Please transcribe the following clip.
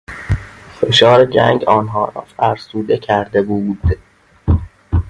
فشار جنگ آنها را فرسوده کرده بود.